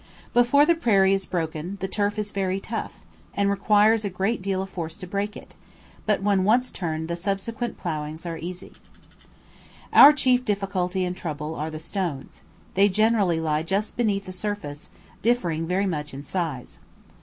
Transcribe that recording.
Before the prairie is broken, the turf is very tough, and requires a great deal of force to break it; but when once turned the subsequent ploughings are easy. Our chief difficulty and trouble are the stones; they generally lie just beneath the surface, differing very much in size.